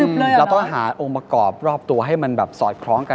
เราต้องหาองค์ประกอบรอบตัวให้มันแบบสอดคล้องกัน